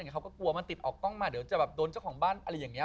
เขาก็กลัวมันติดออกกล้องมาเดี๋ยวจะแบบโดนเจ้าของบ้านอะไรอย่างนี้